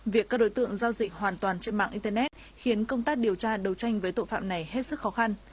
việc các đối tượng giao dịch hoàn toàn trên mạng internet khiến công tác điều tra đấu tranh với tội phạm này hết sức khó khăn